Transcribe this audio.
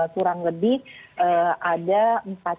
kurang lebih ada